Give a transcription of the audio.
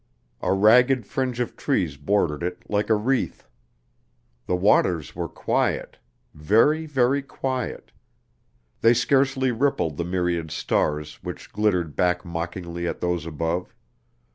A ragged fringe of trees bordered it like a wreath. The waters were quiet very, very quiet. They scarcely rippled the myriad stars which glittered back mockingly at those above.